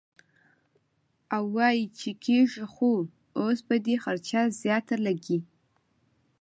او وائي چې کيږي خو اوس به دې خرچه زياته لګي -